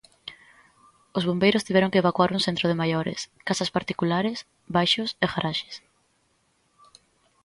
Os bombeiros tiveron que evacuar un centro de maiores, casas particulares, baixos e garaxes.